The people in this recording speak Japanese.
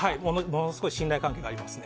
ものすごく信頼関係があります。